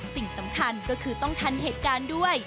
สิ่งสำคัญก็คือต้องทันเหตุการณ์ด้วย